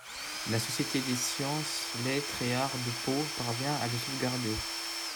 La Société des sciences, lettres et arts de Pau parvint à le sauvegarder.